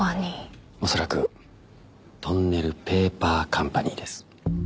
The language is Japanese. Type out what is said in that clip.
恐らくトンネルペーパーカンパニーです。